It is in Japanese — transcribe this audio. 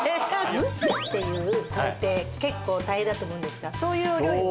蒸すっていう工程結構大変だと思うんですがそういうお料理は？